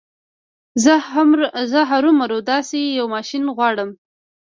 زه هرو مرو داسې يو ماشين غواړم.